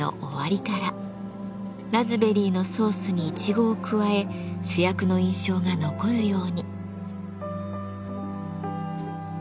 ラズベリーのソースにイチゴを加え主役の印象が残るように。